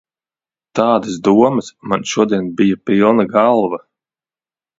Tādas domas man šodien bija pilna galva.